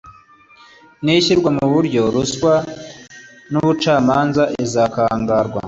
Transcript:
Nibishyirwa mu buryo, ruswa mu bucamanza izakangarwa.